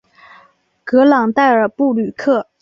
格朗代尔布吕克。